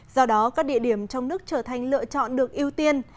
do đó các địa điểm trong nước trở thành lựa chọn được ưu tiên